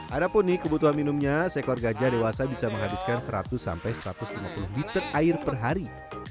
ada pun nih kebutuhan minumnya seekor gajah dewasa bisa menghabiskan seratus sampai satu ratus lima puluh liter air per hari